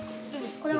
これは？